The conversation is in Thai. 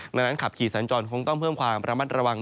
ดังนั้นขับขี่สัญจรคงต้องเพิ่มความระมัดระวัง